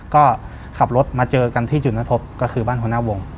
ก็ขับรถมาเจอกันที่จุดนัดพบก็คือบ้านหัวหน้าวง